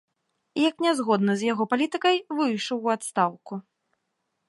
Як нязгодны з яго палітыкай, выйшаў у адстаўку.